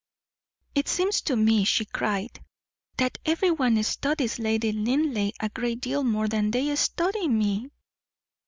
"It seems to me," she cried, "that every one studies Lady Linleigh a great deal more than they study me."